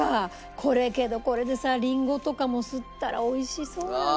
これけどこれでさリンゴとかもすったら美味しそうだなあ。